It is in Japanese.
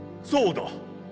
そうだ！